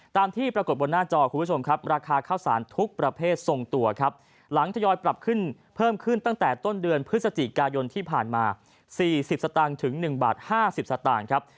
ตามที่ปรากฏบนหน้าจอคุณผู้ชมครับราคาข้าวสารทุกประเภททรงตัวครับหลังทยอยปรับขึ้นเพิ่มขึ้นตั้งแต่ต้นเดือนพฤศจิกายนที่ผ่านมา๔๐สตางค์ถึง๑บาท๕๐สตางค์ครับ